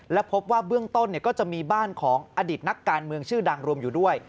และพบว่าเบื้องต้นก็จะมีบ้านของอดีตนักการเมืองชื่อดังรวมอยู่ด้วย